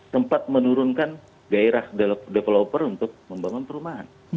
tempat menurunkan gairah developer untuk membangun perumahan